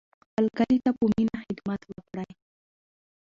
خپل کلي ته په مینه خدمت وکړئ.